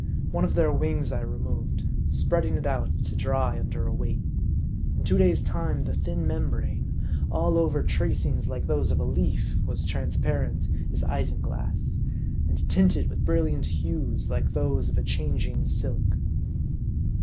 One of their wings I removed, spreading it out to dry under a weight. In two days' time the thin mem brane, all over tracings like those of a leaf, was transparent as isinglass, and tinted with brilliant hues, like those of a changing silk.